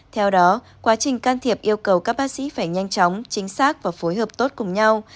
theo đó quá trình can thiệp yêu cầu các bác sĩ phải nhanh chóng chính xác và phối hợp tốt cùng nhau